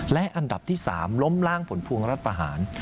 และอันดับที่สามล้มล่างผลภูมิรัตน์ประหาร